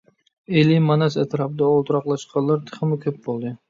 ئىلى، ماناس ئەتراپىدا ئولتۇراقلاشقانلار تېخىمۇ كۆپ بولدى.